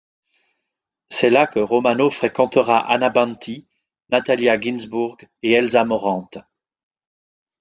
C’est là que Romano fréquentera Anna Banti, Natalia Ginzburg et Elsa Morante.